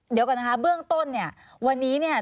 เดี๋ยวก่อนนะคะเบื้องต้นเนี่ย